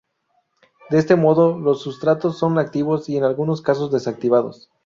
De ese modo, los sustratos son activados y en algunos casos desactivados.